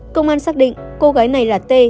công an xác định cô gái này là t